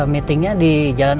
meetingnya di jalan